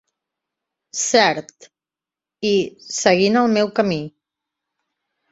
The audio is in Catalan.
Cert", i "Seguint el meu camí".